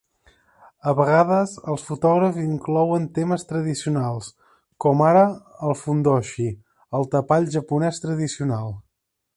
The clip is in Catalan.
A vegades els fotògrafs inclouen temes tradicionals, com ara el fundoshi, el tapall japonès tradicional.